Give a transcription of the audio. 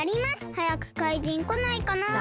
はやくかいじんこないかなあ。